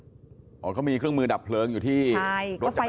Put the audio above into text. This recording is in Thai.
เหอะก็มีเครื่องมือดับเพลิงอยู่ที่รถจักรยานก็เลย